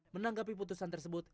menanggapi putusan tersebut